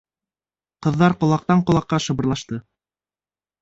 Ҡыҙҙар ҡолаҡтан ҡолаҡҡа шыбырлашты: